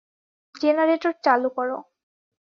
Generator চালু করো।